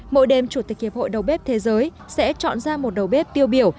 mỗi đêm chủ tịch hiệp hội đầu bếp thế giới sẽ chọn ra một đầu bếp tiêu biểu